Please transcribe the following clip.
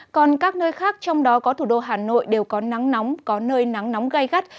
còn các nơi khác trong đó có thủ đô hà nội đều có nắng nóng có nơi nắng nóng gai gắt